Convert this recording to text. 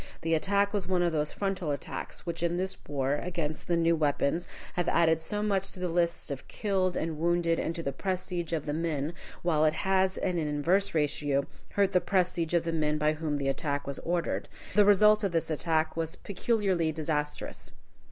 The attack was one of those frontal attacks, which in this war, against the new weapons, have added so much to the lists of killed and wounded and to the prestige of the men, while it has, in an inverse ratio, hurt the prestige of the men by whom the attack was ordered. The result of this attack was peculiarly disastrous.